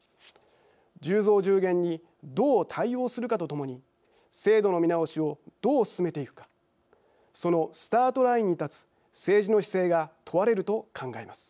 １０増１０減にどう対応するかとともに制度の見直しをどう進めていくかそのスタートラインに立つ政治の姿勢が問われると考えます。